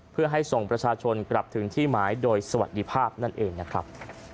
เพื่อให้ส่งประชาชนกลับถึงที่หมายโดยสวัสดีภาพนั่นเองนะครับ